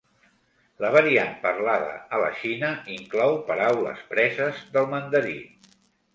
La variant parlada a la Xina inclou paraules preses del mandarí.